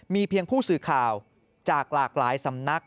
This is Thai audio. มีเพียงผู้สื่อข่าวจากหลากหลายสำนัก